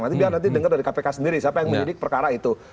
nanti biar nanti dengar dari kpk sendiri siapa yang menyidik perkara itu